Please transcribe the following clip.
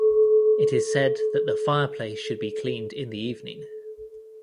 It is said that the fireplace should be cleaned in the evening.